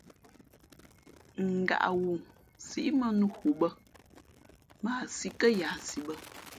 Ngaʼghoo síʼ mᾱnnū nhu bᾱ, mα a sī kά yahsi bά.